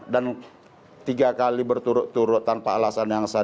dan tiga kali berturut turut tanpa alasan yang sadar